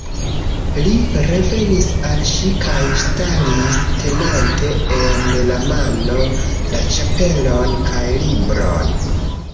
Li revenis al ŝi kaj staris, tenante en la mano la ĉapelon kaj libron.